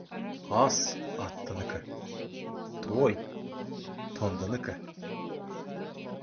Ac — аттыныкі, той — тондыныкі.